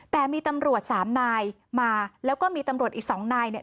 แต่มีตำรวจสามนายมาแล้วก็มีตำรวจอีกสองนายเนี่ย